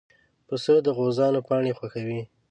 پسه د غوزانو پاڼې خوښوي.